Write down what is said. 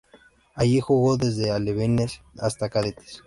Allí jugó desde alevines hasta cadetes.